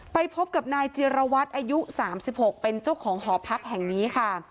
ไปพบกับนายจิรวัตรอายุ๓๖เป็นเจ้าของหอพักแห่งนี้ค่ะ